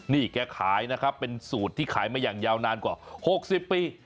นี่แกขายนะครับเป็นสูตรที่ขายมาอย่างยาวนานกว่า๖๐ปี